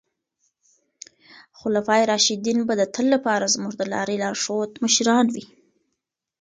خلفای راشدین به د تل لپاره زموږ د لارې لارښود مشران وي.